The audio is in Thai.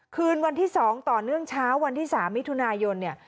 คืนวันที่๒ต่อเนื่องเช้าวันที่๓มิถุนายนเนี่ย